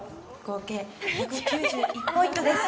「合計１９１ポイントです」